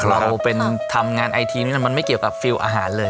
เราเป็นทำงานไอทีนี้มันไม่เกี่ยวกับฟิลล์อาหารเลย